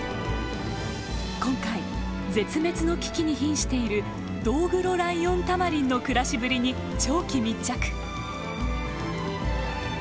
今回絶滅の危機にひんしているドウグロライオンタマリンの暮らしぶりに長期密着。